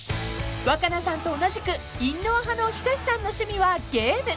［若菜さんと同じくインドア派のＨＩＳＡＳＨＩさんの趣味はゲーム］